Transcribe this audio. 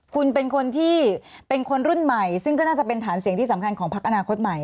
คุณเป็นคนที่เป็นคนรุ่นใหม่ซึ่งก็น่าจะเป็นฐานเสียงที่สำคัญของพักอนาคตใหม่